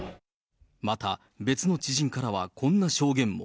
また、別の知人からはこんな証言も。